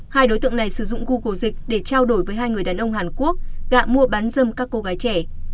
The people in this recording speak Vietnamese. hai đối tượng này sử dụng google dịch để trao đổi với hai người đàn ông hàn quốc gạ mua bán dâm các cô gái trẻ